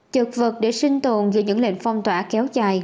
chợt vật để sinh tồn dưới những lệnh phong tỏa kéo dài